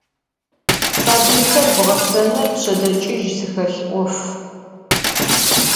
Sabıyxer bğesenır pşsedeç'ıj yin zıxelh 'of.